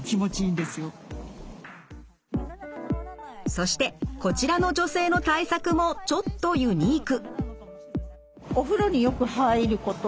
そしてこちらの女性の対策もちょっとユニーク。